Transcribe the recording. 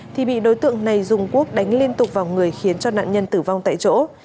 thì bị đối tượng này dùng quốc đánh liên tục vào người khiến cho nạn nhân tử vong tại chỗ